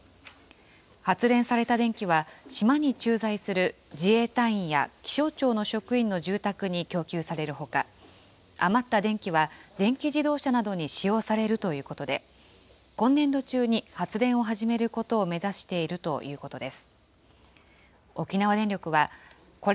発電された電気は、島に駐在する自衛隊員や気象庁の職員の住宅に供給されるほか、余った電気は電気自動車などに使用されるということで、今年度中に発電を始めることを目指しているということです。